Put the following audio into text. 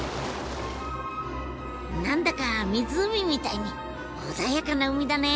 何だか湖みたいに穏やかな海だね。